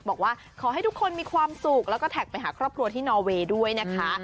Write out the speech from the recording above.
บอกว่าขอให้ทุกคนมีความสุขแล้วก็แท็กไปหาครอบครัวที่นอเวย์ด้วยนะคะ